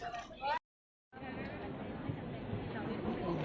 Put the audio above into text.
เวลาแรกพี่เห็นแวว